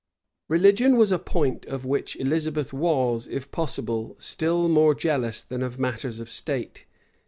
[*] Religion was a point of which Elizabeth was, if possible, still more jealous than of matters of state.